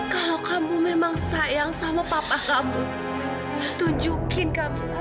kalau kamu memang sayang sama papa kamu tunjukkan camilla